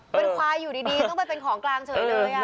เป็นควายอยู่ดีต้องไปเป็นของกลางเฉยเลย